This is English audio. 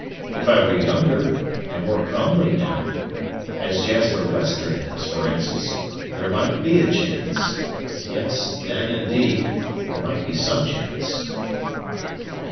If I were younger, and more comely, now, as Jasper Western is, for instance, there might be a chance yes, then, indeed, there might be some chance."